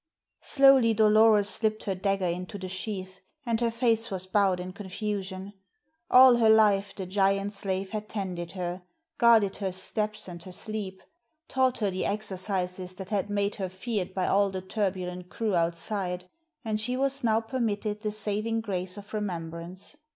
Slowly Dolores slipped her dagger into the sheath, and her face was bowed in confusion. All her life, the giant slave had tended her, guarded her steps and her sleep, taught her the exercises that had made her feared by all the turbulent crew outside; and she was now permitted the saving grace of remembrance.